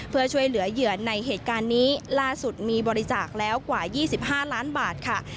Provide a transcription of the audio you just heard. เพื่อช่วยเหลือเหยื่อในเหตุการณ์นี้ล่าสุดมีบริจาคแล้วกว่า๒๕ล้านบาทค่ะ